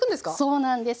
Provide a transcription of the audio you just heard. そうなんですか。